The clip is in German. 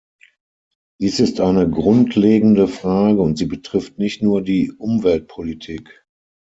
Dies ist eine grundlegende Frage, und sie betrifft nicht nur die Umweltpolitik.